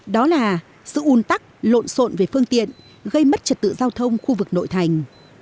đó là sự un tắc lộn xộn về phương tiện gây mất trật tự giao thông khu vực nội thành